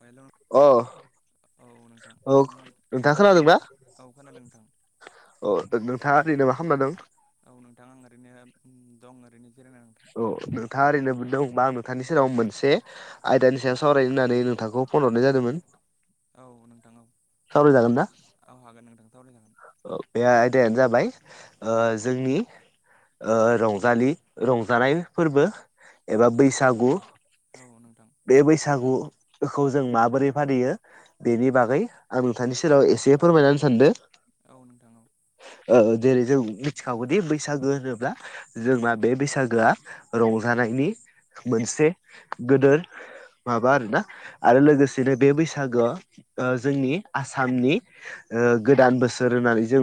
हेल' अ औ नोंथां औ नोंथां नोंथाङा नोंथांनि औ खोनादों नोंथां। अ नोंथाङा ओरैनो मा खालामना दं? औ नोंथां आं ओरैनो दं ओरैनो। जिरायना नोंथां अ नोंथाङा ओरैनोबो दं। होमबा आं नोंथांनि सेराव मोनसे आयदानि सायाव सावरायनो होननानै नोंथांखौ फन हरनाय जादोंमोन। औ नोंथां औ सावरायजागोन ना औ हागोन नोंथां सावराय जागोन। बे आयदायानो जाबाय जोंनि रंजालि रंजानाय फोरबो एबा बैसागु। औ नोंथां बे बैसागु खौ जों माबोरै फालियो? बेनि बागै आं नोंथांनि सेराव एसे फोरमायनानै सानदों। औ नोंथां औ। जेरै जों मिथिखागौदि बैसागो होनोब्ला जोंना बे बैसागोआ रंजानाय नि मोनसे गोदोर माबा आरोना आरो लोगोसेनो बे बैसागोआ जोंनि आसामनि गोदान बोसोर होननानै जों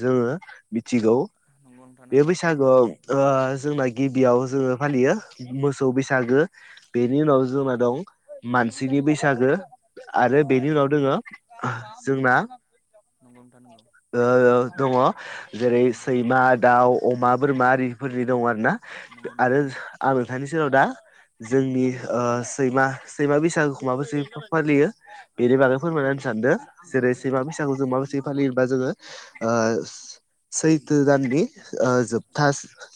जोङो मिथिगौ नंगौ नोंथां बे नंगौ बैसागुआव ओ जोंना गिबियाव जोङो फालियो मोसौ बैसागो। बे बेनि उनाव जोंना दं मानसिनि बैसागो आरो नंगौ बेनि नोंथां उनाव नंगौ दोङो जोंना नंगौ नोंथां नंगौ। ओ दङ जेरै सैमा, दाउ, अमा, बोरमा आरिफोरनि दङ आरो ना। आरो नंगौ आं नोंथांनि सेराव दा जोंनि सैमा सैमा बैसागोखौ माबोसो फालियो बेनि बागै फोरमायनानै होनो सानदो नंगौ नंगौ जेरै नोंथां सैमा बैसागोखौ मा नंगौ बायसाखौ जों माबासे फालियोबा जोङो सैथो दाननि जोबथा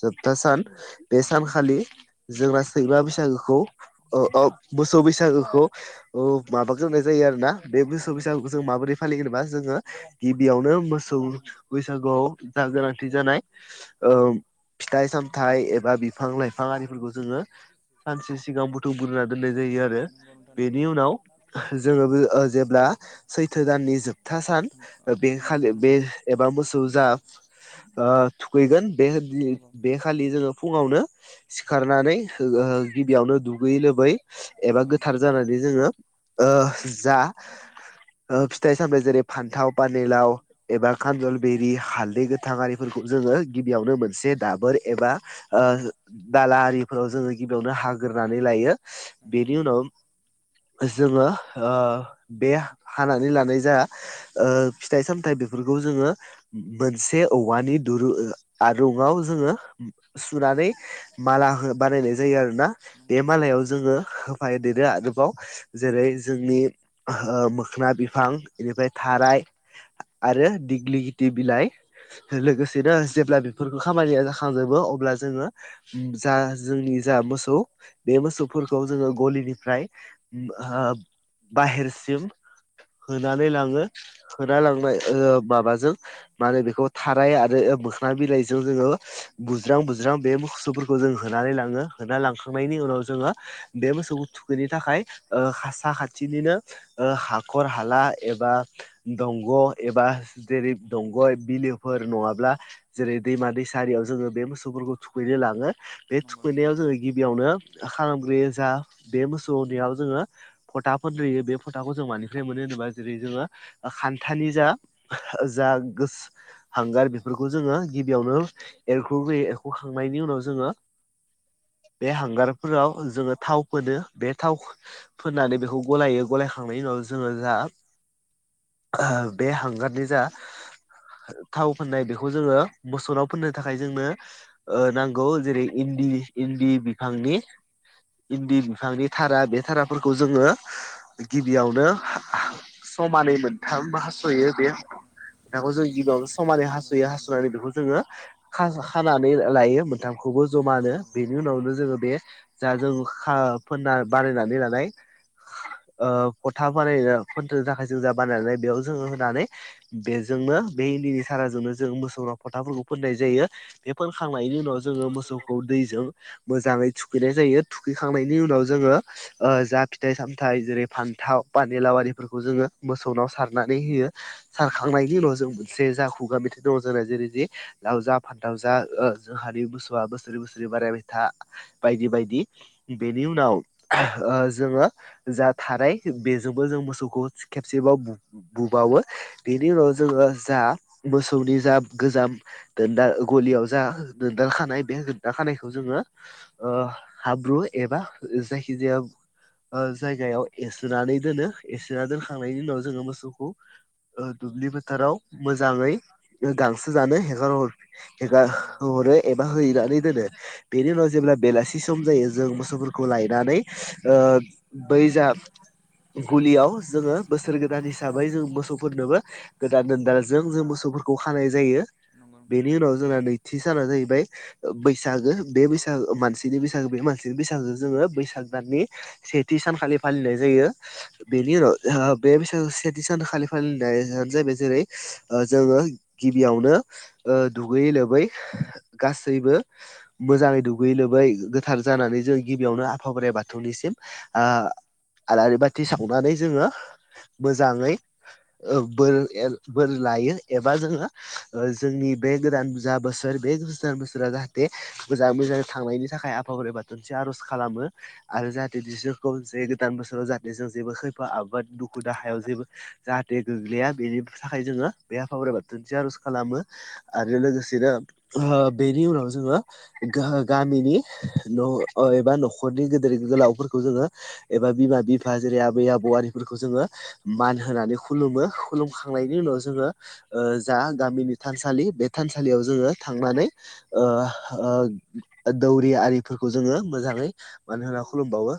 जोबथा सान बे सानखालि जोंना सैमा बैसागोखौ औ औ मोसौ बैसागोखौ माबाग्रोनाय जायो आरो ना। बे मोसौ नंगौ नोंथां बैसागुखौ जों नंगौ मोरै फलियो होनोबा जोङो गिबियावनो मोसौ बैसागुआव जा गोनांथि जानाय फिथाइ सामथाइ एबा बिफां लाइफां आरिफोरखौ जोङो सानसे सिगां बुथुम ग्रोना दोननाय जायो आरो। नंगौ नोंथां नंगौ बेनि उनाव जोङो बे जेब्ला सैथो दाननि जोबथा सान बे नंगौ खालि नोंथां बे नंगौ एबा मोसौ जा ओ थुखैगोन बे बि बे खालि जोङो फुङावनो सिखारनानै गिबियावनो दुगैयै लोबै एबा नंगौ नोंथां गोथार नंगौ जानानै जोङो ओ जा फिथाइ सामथाय जेरै फान्थाव पानेलाव एबा खान्जल बिरि हालदै गोथां आरिफोरखौ जोङो गिबियावनो मोनसे दाबोर एबा दालाफोराव जोङो गिबियावनो हाग ग्रोनानै लायो बेनि उनाव जोङो बे हानानै लानाय जा फिथाइ सामथाय बेफोरखौ जोंङो मोनसे औवानि दुरुं आरुंआव जोंङो सु नानै माला बानायनाय जायो। आरोना बे नंगौ नंगौ नोंथां नंगौ नोंथां नंगौ नोंथां मालायाव नंगौ जोङो होफा देरो आरोबाव जेरै जोंनि मोखोना बिफां बेनिफ्राय थाराय आरो दिग्लि गिथि बिलाइ लोगोसेनो जेब्ला बेफोरखौ खामानिया जाखांजोबो अब्ला जोङो जा जोंनि जा मोसौ बे मोसौफोरखौ जोङो गलिनिफ्राय बाहेरसिम होनानै लाङो होना लांनाय माबाजों माने बेखौ थाराय आरो मोखना बिलाइजों जोङो बुज्रां बुज्रां बे मोसौफोरखौ जों होनानै लांङो होना लांखां खांनायनि उनाव जोङो बे मोसौखौ थुखैनायनि थाखाय हासा खाथिनिनो हाख खर हाला एबा दंग' एबा जेरै दंग' बिलोफोर नङाब्ला जेरै दैमा दै सारि जोङो बे मोसौफोरखौ थुखैनो लाङो बे नंगौ नोंथां थुखैनायाव नंगौ जोंङो खालामग्रोयो जा बे मोसौनियाव जोङो फोथा फोनग्रोयो बे फोथाखौ जों मानिफ्राय मोनो होनोबा जेरै जोङो खान्थानि जा जा गोस हांगार बेफोरखौ जोङो गिबियावनो एरख'ग्रोयो एरख'खांनायनि उनाव जोङो बे हांगारफोराव जोङो थाव फोनो बे थाव फोननानै बेखौ गलायो गलायखांनाय उनाव जोङो जा बे हांगारनि जा थाव फोननाय बेखौ जोङो मोसौनाव फोननो थाखाय जोंनो नांगौ जेरै इन्दि इन्दि बिफांनि इन्दि बिफांनि थारा बे थाराफोरखौ जोङो गिबियावनो समानै मोनथाम हास'यो बे मोनथामखौ जों गिबियावनो समानै नंगौ हास'यो नोंथां नंगौ हास'नानै बेखौ जोङो खानानै लायो मोनथामखौ खौबो नंगौ ज'मानो नोंथां नंगौ बेनि जोङो बे जा जों खा फोनना बानायनानै लानाय ओ फोथा बानायनो फोन्नो थाखाय जों जा बानायनानै बेयाव जोङो होनानै बे जोंनो बे हिन्दनि सार जोंनो जों मोसौफोरनाव फोथाफोरखौ फोननाय जायो बे फोनखांनायनि उनाव जोङो मोसौखौ दैजों मोजाङै थुखैनाय जायो थुखैखांनायनि नंगौ नोंथां उनाव नंगौ जोङो ओ जा फिथाइ सामथाय जेरै फान्थाव पानिलाव आरिफोरखौ जोङो मोसौनाव सारनानै होयो। सारखांनायनि उनाव जों मोनसे जा खुगा मेथाइ दङ जोंना जेरै जि लावजा फान्थाव जा जोंहानि मोसौआ बोसोरै बोसोरै बारायबायथा बायदि बायदि बेनि उनाव जोङो जा थाराय बेजोंबो जों मोसौखौ खेबसेबाव बु-बुबावो। बिनि नंगौ उनाव नोंथां जोङो जा मोसौनि जा गोजाम दोनदाल गलियाव जा दोनदालखानाय बे खानायखौ जोङो हाब्रु एबा जायखिजाया जायगायाव एरसोनानै दोनो एरसोनानै दोनखांनायनि उनाव जोङो मोसौखौ दुब्लि बोथोराव मोजाङै गांसो जानो हेगारहर नंगौ नोंथां हेगारहरो एबा हैनानै दोनो बेनि उनाव जेब्ला बेलासि सम जायो जों मोसौफोरखौ लायनानै बै जा गुलियाव जोङो बोसोर गोदान हिसाबै जों मोसौफोरनोबो गोदान दोनदाल जों जों मोसौ फोरखौ खानाय जायो नंगौ औ नंगौ नोंथां बेनि नंगौ उनाव जोंङो नैथि साना जाहैबाय बैसागो बे बैसागो मानसिनि बैसागो बे मानसिनि बैसागो जोङो बैसाग दाननि सेथि सानखालि फालिनाय जायो बेनि उनाव बे बैसाग सेथि सानखालि फालिनायानो जा जेरै जोङो गिबियावनो दुगैयै लोबै गासै गासैबो मोजाङै दुगैयै लोबै गोथार जानानै जों गिबियावनो आफा बोराइ बाथौनिसिम आलारि बाथि सावनानै जोङो मोजाङै बोर बोर लायो एबा जोङो जोंनि बे गोदान जा बोसोर बे गोजान फोरा जाहाथे मोजाङै मोजां थांनायनि थाखाय आफा बोराइ बाथौनसे आर'ज खालामो आरो जाहाथे बिसोर खौ जे गोदान बोसोराव जाहाथे जों जेबो खैफा आबाद दुखु दाहायाव जेबो जाहाथे गोग्लैया बेनि थाखाय जोङो बे आफा बोराइबा थुनसे आर'ज खालामो आरो नंगौ लोगोसेनो ओ बेनि उनाव जोङो गामिनि न' एबा न'खरनि गिदिर गोलावफोरखौ जोङो एबा बिमा बिफा जेरै आबै आबौ जोङो मान होनानै खुुलुमो खु लुमखांनायनि उनाव जोङो जा गामिनि थानसालि बे थानसालियाव जोङो थांनानै ओ ओ दौरि आरिफोरखौ जोङो मोजाङै मानो होना खुलुमबावो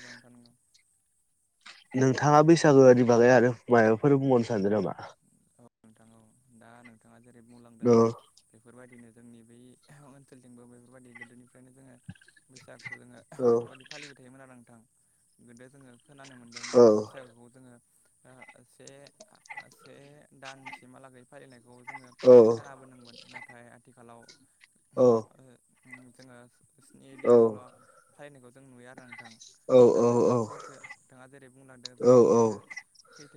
बां थानग नोंथाङा बैसागोनि बागै आरो माबाफोर बुंबावनो सानदों नामा औ नोंथां औ दा नोंथाङा जेरै बुंलांदों औ बेफोरबायदिनो जोंनि बै ओनसोलजोंंबो बेफोरबायादि गोदोनिफ्रायनो जोङो बैसागुखौ जोङो औ बेफोरबायदि फालिबाय थायोमोन आरो नोंथां गोदो जोङो खोनानो मोन्दों औ बैसागुखौ जोङो से से दानसिमहालागै फालिनाय खौ जोङो खोनाबोदोंमोन नाथाय आथिखालाव औ जोङो स्नि औ दिनल' फालिनायखौ जों नुयो आरो नोंथां औ दा जोङो सैथो बिथाङा जेरै बुंलांदों औ जोङो सैथो सैथो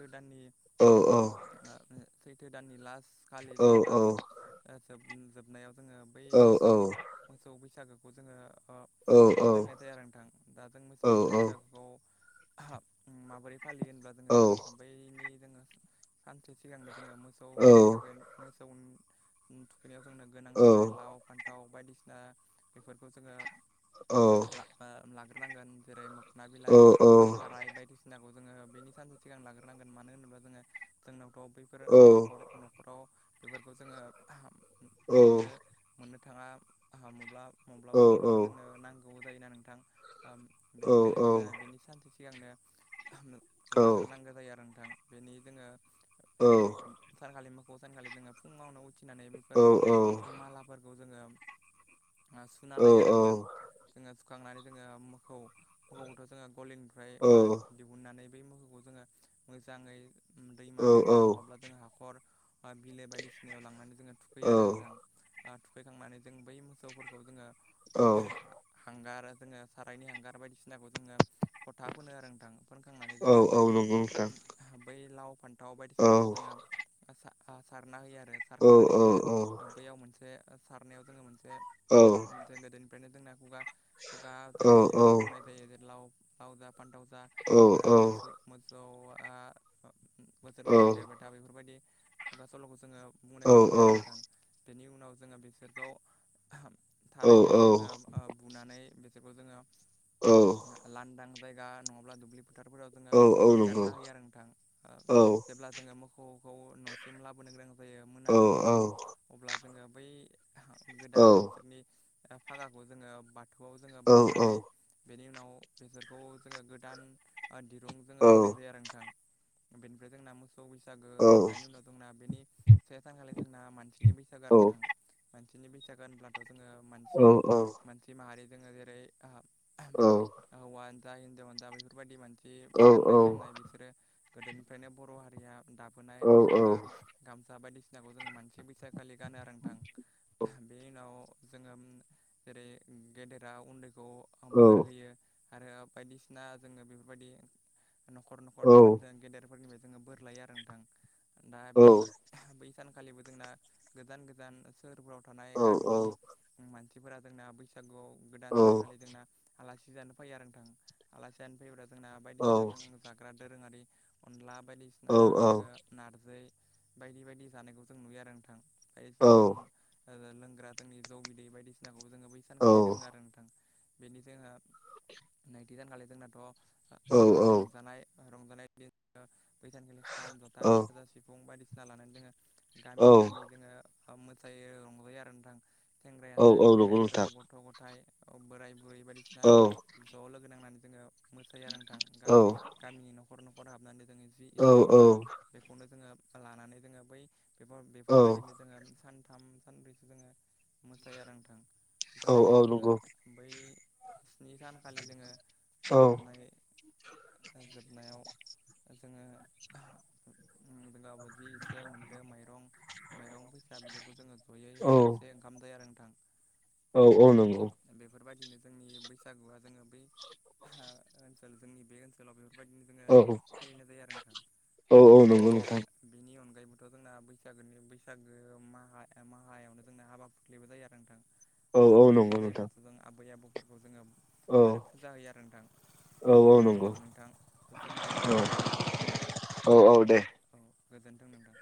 औ सैथो दाननि लास खालि औ जोङो लास ज जोबनायाव जोङो बै औ मोसौ मोसौ बैसागोखौ औ जोङो फालिनाय जाया आरो नोंथां दा जों मोसौ औ बैसागुखौ माबोरै फालियो होनब्ला जोङो बैनि जोङो सानसे सिगांनो जोङो मोसौ बैसागोन मोस थुखैनायाव जोंनो गोनां जानाय लाव फान्थाव बायदिसिना बायदिसिना बेफोरखौ जोङो लाग्रोनांगोन जेरै म बिलाइ औ थाराय बायदिसिनाखौ जोङो बेनि सानसो सिगां लाग्रोनांगोन मानो होनोब्ला जोङो जोंनाव टपि न लांदां बेफोरखौ जोङो औ मोननो मोननो थाङा हामोब्ला माब्लाबा माब्लाबा जोंनो नांगौ जायोना नोंथां बेनिखायनो जोङो बेनि सानसे सिगांनो लाग्रोनांगौ जायो आरो नोंथां बेनि जोङो ओ सानखालि मोखौ सानखालि जोङो फुङावनो उथिनानै बेफोर मालाफोरखौ जोङो सुना लायो आरो नोंथां जोङो सुखांनानै जोङो मोखौ मोखौ खौथ' जोङो गलिनिफ्राय दिहुननानै बै मोहौखौ जोङो मोजाङै दैमा दैसा नङाब्ला जों हाखर बिलो बायदिसिनायाव लांनानै जोङो थुखैयो आरो औ नोंथां थुखैखांनानै जों बै मोसौफोरखौ जोङो औ हांगार जोङो सारायनि हांगार बायदिसिनाखौ जोङो फथा फोनो आरो नोंथां फोरोंखांनानै औ जोङो औ बै नंगौ नोंथां। बै लाव फान थाव औ बायदिसिनाखौ जोङो सारना होयो आरो औ सारखांनानै औ जोङो बैयाव मोनसे सारनायाव जोङो मोन औ मोनसे गोदोनिफ्रायनो जोंना खुगा खुगा औ जेरै औ बुंनाय थायो लाव जा फान्थाव जा औ ओ मोसौ मो बोसोर बोसोर देरबाय था बेफोरबायदि खुगा सल'खौ जोङो बुंनायखौ नुयो आरो नोंथां बेनि उनाव जोङो बिसोरखौ थारायजों जोङो बुनानै जोङो लांदां जायगा नङाब्ला दुब्लि फोथारफोराव जोङो हेगारना होयो आरो नोंथां जेब्ला जोङो मोखौ खौ न'सिम लाबोनो गोनां जायो मोनाबिलि समाव औ अब्ला जोङो बै गोदान बिसोरनि फागाखौ जोङो बाथौआव जोङो बावनानै बेनि उनाव बेफोरखौ जोङो गोदान दिरुं जोङो होनाय जायो आरो नोंथां बेनिफ्राय जोंना मोसौ बैसागो जोबनायनि उनाव जोंना बेनि से सानखालि जोंना मानसि नि बैसागो आरो नोंथां माननि बैसागो होनब्लाथ' जोङो मानसि मानसि माहारि जोङो जेरै हौवानो जा हिजावआनो जा बेफोरबायदि मानसि जि गाननाय जोमनाय बिसोरो गोदोनिफ्रायनो बर' हारिया दा- बोनाय दख'ना गामसा बायदिसिनाखौ जोङो मानसि बैसागो खालि गानो आरो नोंथां बेनि उनाव जोङो जेरै गेदेरा उन्दैखौ बोर होयो। आरो बायदिसिना जोङो बेफोर बायदि न'खर नखर थांनानै औ जों गेदेरफोरनि जोङो बोरलायो आरो नोंथां। दा औ बिनि बै सानखालिबो जोंना गोजान गोजान सोहोरफ्राव थानाय औ गामिनि मानसिफोरा जोंना बैसागुआव औ गोदान सानखालि जोंना आलासि जानो फैयो आरो नोंथां आलासि जानो फैयोब्ला जोंना औ बायदिसिना जों जाग्रा दोरोङारि अनला औ बायदिसिना जोङो नारजि बायदि बायदि जानायखौ जों नुयो आरो नोंथां। औ बायदिसिना जों लोंग्रा जोंनि जौ बिदै बायदिसिनाखौबो जोङो औ बैसानखालि लोङो आरो नोंथां। बेनि जोङो नैथि दानखालि जोंनाथ' ओ रंजानाय रंजानाय बैसानखालि खाम जथा औ सेरजा सिफुं बायदिसिना लानानै जोंङो औ गामि गामि जोङो मोसायो रंजायो आरो नोंथां। सेंग्रायानो जा औ नंगौ सिख्लायानो जा नोंथां गथ' गथाय बोराय बुरै बायदिसिना औ ज' लोगो नांनानै जोङो मोसायो आरो नोंथां औ गामिनि नख न'खर न'खर हाबनानै जोङो जि इसे औ हरो बेखौनो जोङो लानानै जोङो बै बेफोर औ बेफोरबायदिनो जोङो सानथाम सानब्रैसो जोङो मोसायो आरो नोंथां। औ जानायनि औ उनाव जोंङो नंगौ बै स्नि सानखालि जोङो औ जोबनाय जोबनायाव जोङो ओम जोंगाबो जि इसे मोनदों माइरं माइरं फैसा बेफोरखौ जोङो जयै औ बोथिसे ओंखाम जायो आरो नोंथां। औ औ नंगौ। बिदिनो जोंनि बैसागुआ जोङो बै ओ ओनसोल जोंनि बे ओनसोलाव बेफोर बायदिनो जोङो औ फालिनाय जायो आरो नोंथां। औ औ नंगौ नोंथां। नि अनगायैबोथ' जोंना बैसागोनि बैसागो माहा माहायावनो जोंना हाबा फुत्लिबो जायो आरो नोंथां। औ औ हाबफुत्लि नंगौ नोंथां। जायोब्लाथ' जों आबै आबौफोरखौ जोङो औ माने फुजा होयो आरो नोंथां। औ नोंथां जोंना औ टाइमाबो थौबायमोन नोंथां। औ औ दे। गोजोनथों नोंथां।